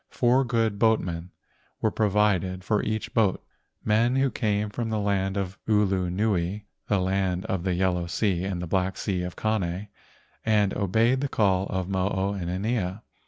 Four good boatmen were provided for each boat, men who came from the land of Ulu nui—the land of the yellow sea and the black sea of Kane— and obeyed the call of Mo o inanea.